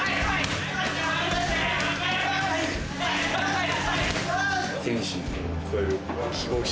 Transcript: はい！